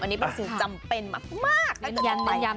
อันนี้เป็นสิ่งจำเป็นมากในการตาม